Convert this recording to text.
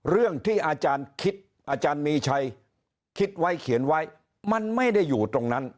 เรื่องที่อาจารย์คิดอาจารย์มีชัยคิดไว้เขียนไว้มันไม่ได้อยู่ตรงนั้น